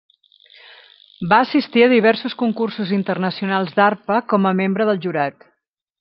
Va assistir a diversos concursos internacionals d'arpa com a membre del jurat.